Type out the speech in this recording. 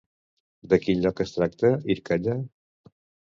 De quin lloc es tracta Irkalla?